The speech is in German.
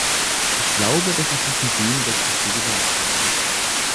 Ich glaube, dass sich dies mit dem deckt, was wir gesagt haben.